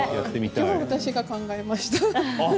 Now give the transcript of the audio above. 私が考えました。